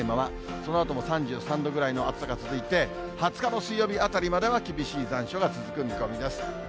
そのあとも３３度ぐらいの暑さが続いて、２０日の水曜日あたりまでは、厳しい残暑が続く見込みです。